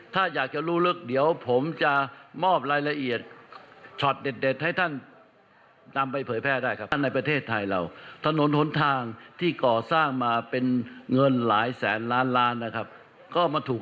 แต่เขาว่าแทรฟอยู่นะครับแทรฟอยู่